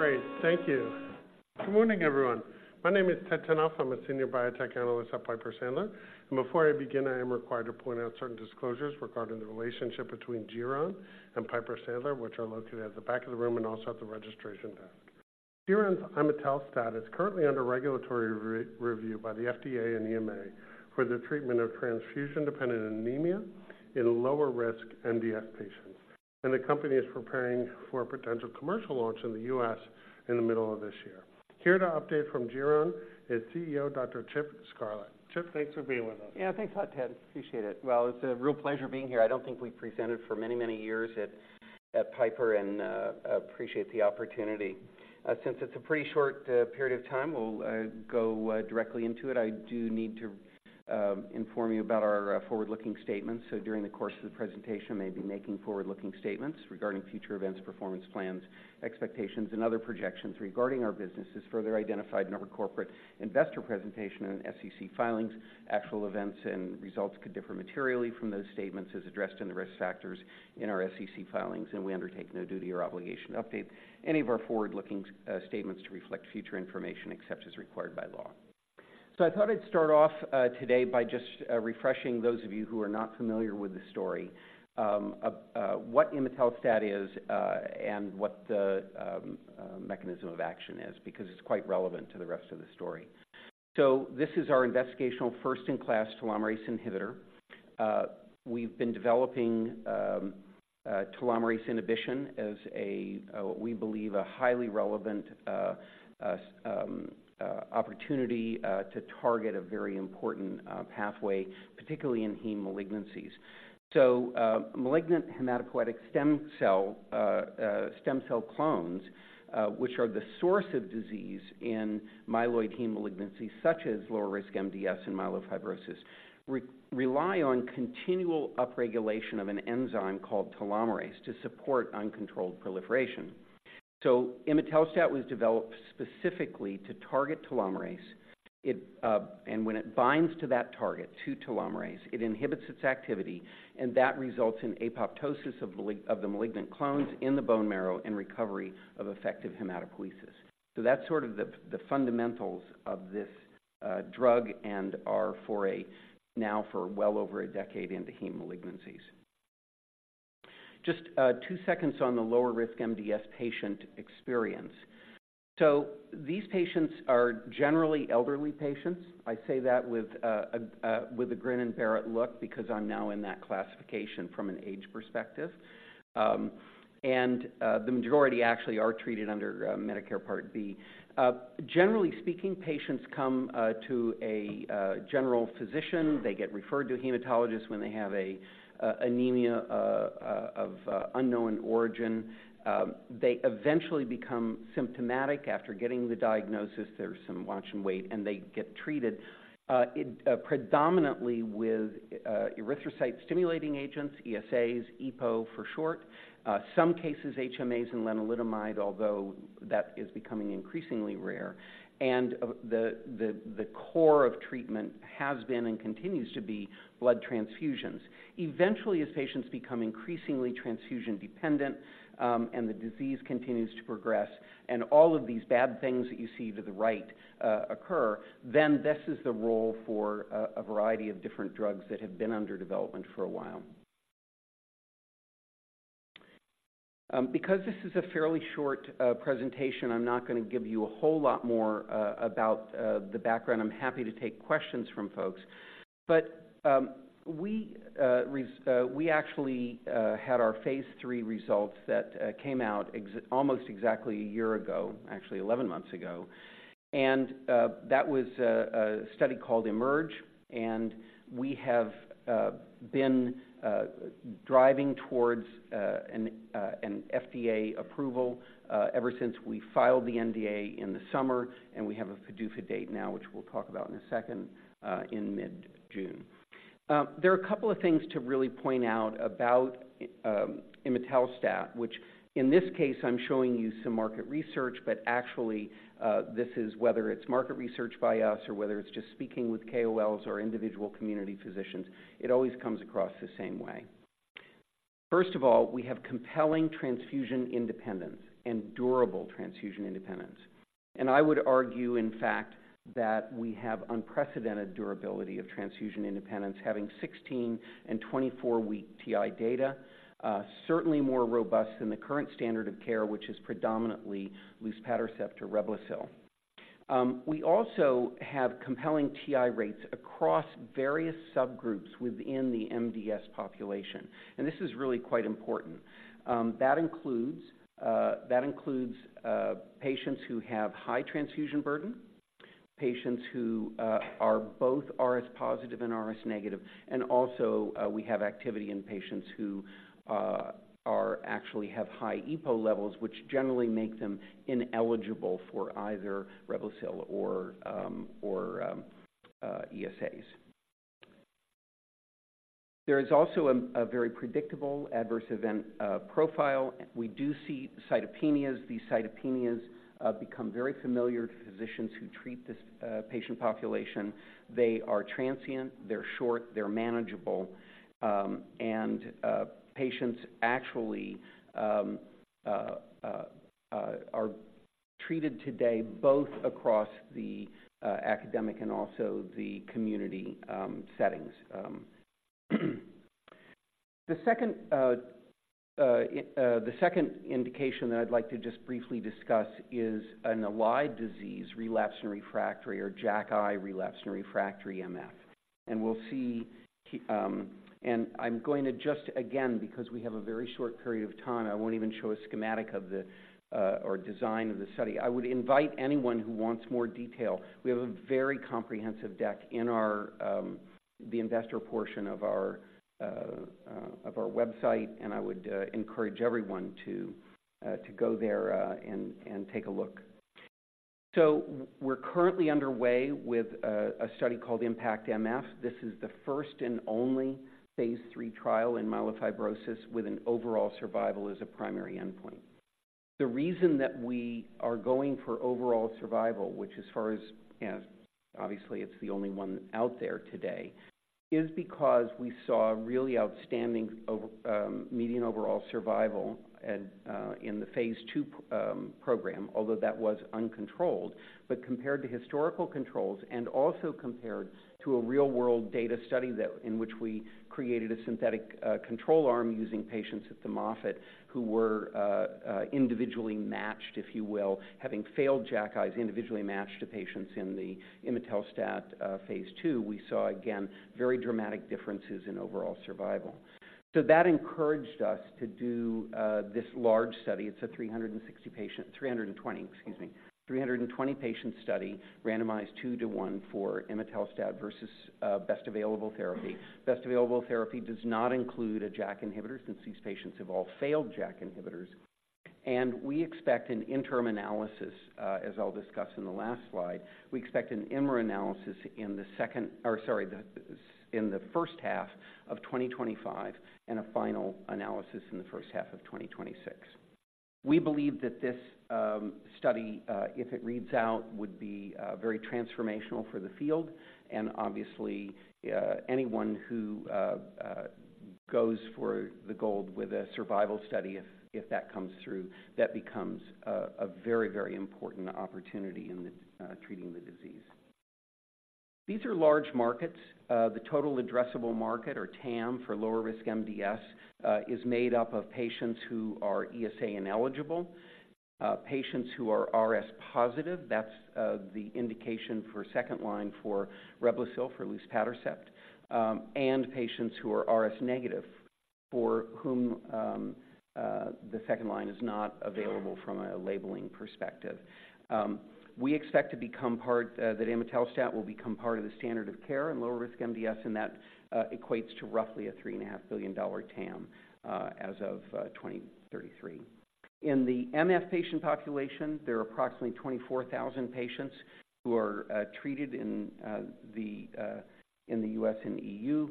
Great. Thank you. Good morning, everyone. My name is Ted Tenthoff. I'm a senior biotech analyst at Piper Sandler. And before I begin, I am required to point out certain disclosures regarding the relationship between Geron and Piper Sandler, which are located at the back of the room and also at the registration desk. Geron's imetelstat is currently under regulatory review by the FDA and EMA for the treatment of transfusion-dependent anemia in lower-risk MDS patients, and the company is preparing for a potential commercial launch in the U.S. in the middle of this year. Here to update from Geron is CEO, Dr. Chip Scarlett. Chip, thanks for being with us. Yeah, thanks a lot, Ted. Appreciate it. Well, it's a real pleasure being here. I don't think we've presented for many, many years at Piper, and appreciate the opportunity. Since it's a pretty short period of time, we'll go directly into it. I do need to inform you about our forward-looking statements. So during the course of the presentation, I may be making forward-looking statements regarding future events, performance plans, expectations, and other projections regarding our businesses further identified in our corporate investor presentation and SEC filings. Actual events and results could differ materially from those statements as addressed in the risk factors in our SEC filings, and we undertake no duty or obligation to update any of our forward-looking statements to reflect future information, except as required by law. So I thought I'd start off today by just refreshing those of you who are not familiar with the story of what imetelstat is and what the mechanism of action is, because it's quite relevant to the rest of the story. So this is our investigational first-in-class telomerase inhibitor. We've been developing telomerase inhibition as what we believe a highly relevant opportunity to target a very important pathway, particularly in heme malignancies. So malignant hematopoietic stem cell clones, which are the source of disease in myeloid heme malignancies such as lower-risk MDS and myelofibrosis, rely on continual upregulation of an enzyme called telomerase to support uncontrolled proliferation. So imetelstat was developed specifically to target telomerase. When it binds to that target, to telomerase, it inhibits its activity, and that results in apoptosis of the malignant clones in the bone marrow and recovery of effective hematopoiesis. So that's sort of the fundamentals of this drug and our foray now for well over a decade into heme malignancies. Just two seconds on the lower-risk MDS patient experience. So these patients are generally elderly patients. I say that with a grin and bear it look, because I'm now in that classification from an age perspective. The majority actually are treated under Medicare Part B. Generally speaking, patients come to a general physician. They get referred to a hematologist when they have an anemia of unknown origin. They eventually become symptomatic after getting the diagnosis. There's some watch and wait, and they get treated predominantly with erythropoiesis-stimulating agents, ESAs, EPO for short. Some cases, HMAs and lenalidomide, although that is becoming increasingly rare. And the core of treatment has been and continues to be blood transfusions. Eventually, as patients become increasingly transfusion-dependent, and the disease continues to progress, and all of these bad things that you see to the right occur, then this is the role for a variety of different drugs that have been under development for a while. Because this is a fairly short presentation, I'm not gonna give you a whole lot more about the background. I'm happy to take questions from folks. But we actually had our phase III results that came out almost exactly a year ago, actually 11 months ago. And that was a study called IMerge, and we have been driving towards an FDA approval ever since we filed the NDA in the summer, and we have a PDUFA date now, which we'll talk about in a second, in mid-June. There are a couple of things to really point out about imetelstat, which in this case, I'm showing you some market research, but actually, this is whether it's market research by us or whether it's just speaking with KOLs or individual community physicians, it always comes across the same way. First of all, we have compelling transfusion independence and durable transfusion independence. I would argue, in fact, that we have unprecedented durability of transfusion independence, having 16- and 24-week TI data. Certainly more robust than the current standard of care, which is predominantly luspatercept or Reblozyl. We also have compelling TI rates across various subgroups within the MDS population, and this is really quite important. That includes patients who have high transfusion burden, patients who are both RS positive and RS negative, and also we have activity in patients who actually have high EPO levels, which generally make them ineligible for either Reblozyl or ESAs. There is also a very predictable adverse event profile. We do see cytopenias. These cytopenias become very familiar to physicians who treat this patient population. They are transient, they're short, they're manageable, and patients actually are treated today, both across the academic and also the community settings. The second indication that I'd like to just briefly discuss is an allied disease, relapsed and refractory or JAKi relapsed and refractory MF. And we'll see, and I'm going to just again, because we have a very short period of time, I won't even show a schematic of the, or design of the study. I would invite anyone who wants more detail. We have a very comprehensive deck in our the investor portion of our of our website, and I would encourage everyone to go there and take a look. So we're currently underway with a study called IMpactMF. This is the first and only phase III trial in myelofibrosis with an overall survival as a primary endpoint. The reason that we are going for overall survival, which as far as, obviously, it's the only one out there today, is because we saw a really outstanding median overall survival in the Phase II Program, although that was uncontrolled. But compared to historical controls, and also compared to a real-world data study that in which we created a synthetic control arm using patients at the Moffitt, who were individually matched, if you will, having failed JAKis, individually matched to patients in the imetelstat phase II, we saw again, very dramatic differences in overall survival. So that encouraged us to do this large study. It's a 360-patient—320, excuse me, 320-patient study, randomized 2-to-1 for imetelstat versus best available therapy. Best available therapy does not include a JAK inhibitor since these patients have all failed JAK inhibitors, and we expect an interim analysis, as I'll discuss in the last slide. We expect an interim analysis in the first half of 2026 and a final analysis in the first half of 2026. We believe that this study, if it reads out, would be very transformational for the field. And obviously, anyone who goes for the gold with a survival study, if that comes through, that becomes a very, very important opportunity in the treating the disease. These are large markets. The total addressable market, or TAM, for lower-risk MDS, is made up of patients who are ESA ineligible, patients who are RS positive. That's the indication for second line for Reblozyl, or luspatercept, and patients who are RS negative, for whom the second line is not available from a labeling perspective. We expect to become part, that imetelstat will become part of the standard of care in lower-risk MDS, and that equates to roughly a $3.5 billion TAM, as of 2033. In the MF patient population, there are approximately 24,000 patients who are treated in the U.S. and E.U.,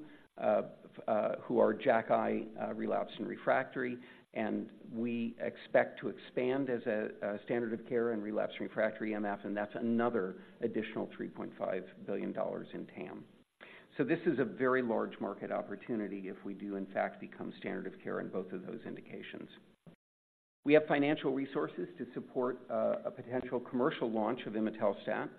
who are JAKi relapsed and refractory, and we expect to expand as a standard of care in relapsed refractory MF, and that's another additional $3.5 billion in TAM. So this is a very large market opportunity if we do in fact become standard of care in both of those indications. We have financial resources to support a potential commercial launch of imetelstat.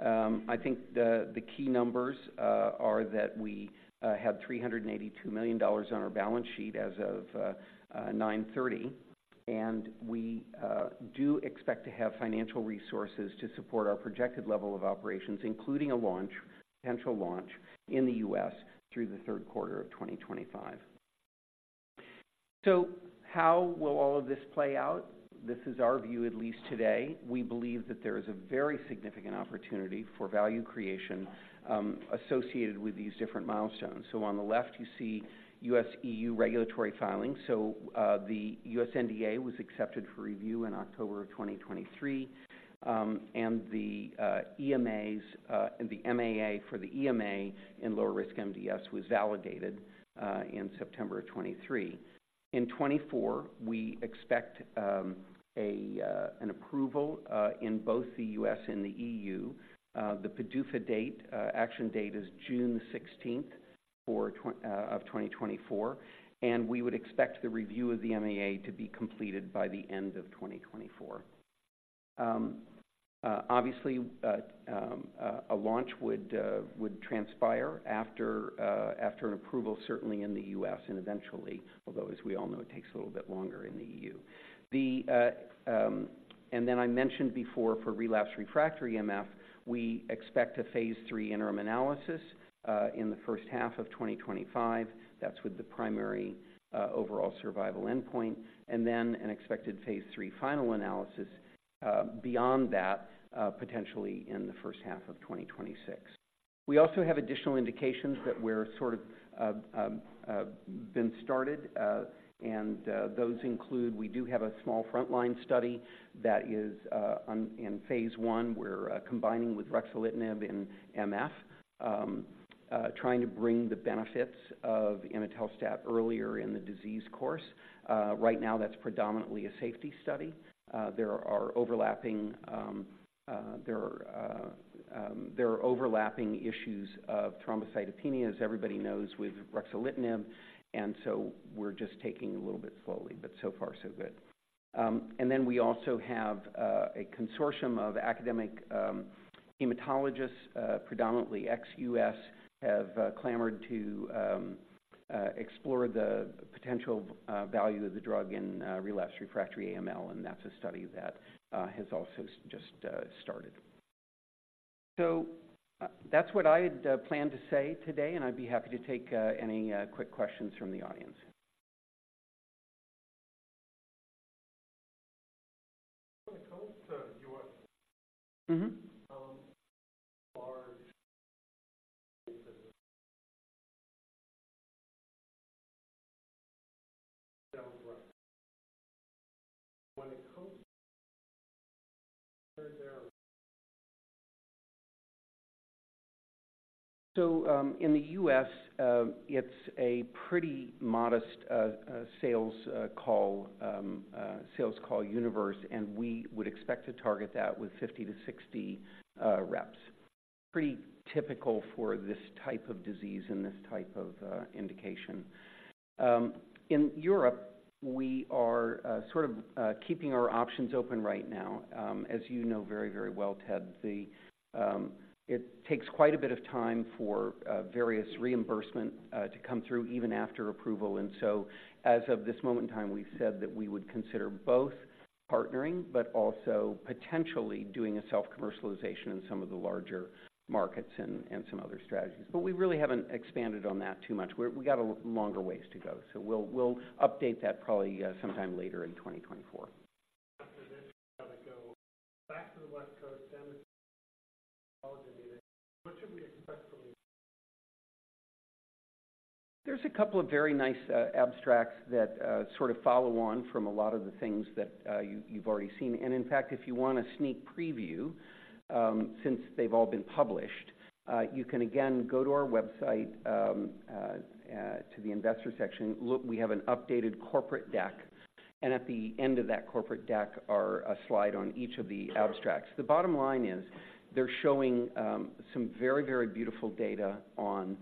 I think the key numbers are that we have $382 million on our balance sheet as of September 30, and we do expect to have financial resources to support our projected level of operations, including a launch, potential launch in the U.S. through the third quarter of 2025. So how will all of this play out? This is our view, at least today. We believe that there is a very significant opportunity for value creation associated with these different milestones. So on the left, you see U.S., E.U. regulatory filings. So, the U.S. NDA was accepted for review in October 2023. And the MAA for the EMA in lower-risk MDS was validated in September 2023. In 2024, we expect an approval in both the U.S. and the E.U.. The PDUFA action date is June 16 of 2024, and we would expect the review of the MAA to be completed by the end of 2024. Obviously, a launch would transpire after an approval, certainly in the U.S., and eventually, although, as we all know, it takes a little bit longer in the E.U.. And then I mentioned before, for relapsed refractory MF, we expect a phase III interim analysis in the first half of 2025. That's with the primary overall survival endpoint, and then an expected phase III final analysis beyond that, potentially in the first half of 2026. We also have additional indications that we're sort of been started, and those include. We do have a small frontline study that is on in phase I. We're combining with ruxolitinib in MF, trying to bring the benefits of imetelstat earlier in the disease course. Right now, that's predominantly a safety study. There are overlapping issues of thrombocytopenia, as everybody knows, with ruxolitinib, and so we're just taking it a little bit slowly, but so far so good. And then we also have a consortium of academic hematologists, predominantly ex-U.S., have clamored to explore the potential value of the drug in relapsed refractory AML, and that's a study that has also just started. So, that's what I had planned to say today, and I'd be happy to take any quick questions from the audience. When it comes to U.S are- So, in the U.S., it's a pretty modest sales call universe, and we would expect to target that with 50-60 reps. Pretty typical for this type of disease and this type of indication. In Europe, we are sort of keeping our options open right now. As you know very, very well, Ted, it takes quite a bit of time for various reimbursement to come through even after approval. And so as of this moment in time, we've said that we would consider both partnering, but also potentially doing a self-commercialization in some of the larger markets and some other strategies. But we really haven't expanded on that too much. We got a longer ways to go, so we'll update that probably sometime later in 2024. After this, I gotta go back to the West Coast. What should we expect from you? There's a couple of very nice abstracts that sort of follow on from a lot of the things that you've already seen. In fact, if you want a sneak preview, since they've all been published, you can again go to our website to the investor section. Look, we have an updated corporate deck, and at the end of that corporate deck are a slide on each of the abstracts. The bottom line is they're showing some very, very beautiful data on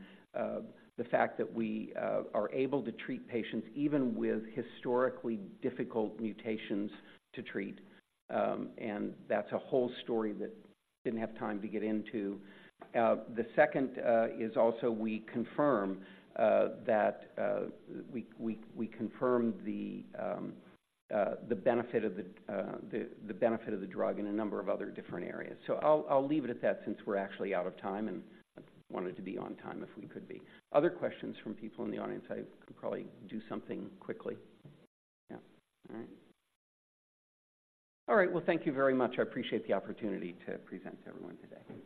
the fact that we are able to treat patients even with historically difficult mutations to treat, and that's a whole story that I didn't have time to get into. The second is also we confirm that... We confirmed the benefit of the drug in a number of other different areas. So I'll leave it at that since we're actually out of time, and I wanted to be on time if we could be. Other questions from people in the audience? I could probably do something quickly. Yeah. All right. Well, thank you very much. I appreciate the opportunity to present to everyone today.